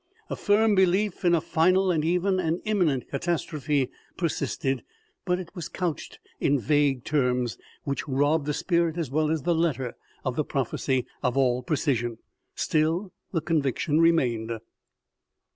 A firm belief in a final and even an imminent catastrophe per sisted, but it was couched in vague terms, which robbed the spirit as well as the letter of the prophecy of all pre cision. Still, the conviction remained.